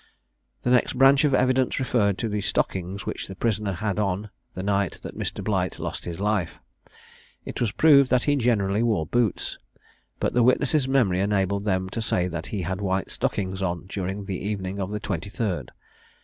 The next branch of evidence referred to the stockings which the prisoner had on the night that Mr. Blight lost his life. It was proved that he generally wore boots; but the witnesses' memory enabled them to say that he had white stockings on during the evening of the 23rd.